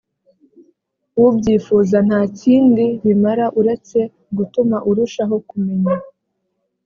ubyifuza nta kindi bimara uretse gutuma urushaho kumenya